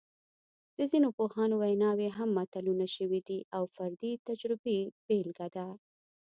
د ځینو پوهانو ویناوې هم متلونه شوي دي او د فردي تجربې بېلګه ده